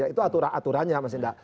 itu aturannya mas indah